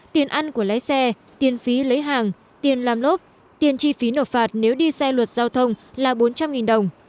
tiền ăn của lái xe tiền phí lấy hàng tiền làm lốp tiền chi phí nộp phạt nếu đi xe luật giao thông là bốn trăm linh đồng